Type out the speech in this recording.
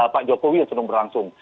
pak jokowi yang sedang berlangsung